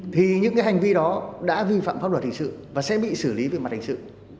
thì những cái hành vi đó đã vi phạm pháp luật hình sự và sẽ bị xử lý về mặt hình sự